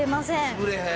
潰れへん。